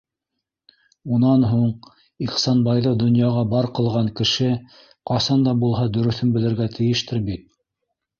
Унан һуң, Ихсанбайҙы донъяға бар ҡылған кеше ҡасан да булһа дөрөҫөн белергә тейештер бит?